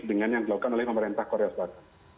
dengan yang dilakukan oleh pemerintah korea selatan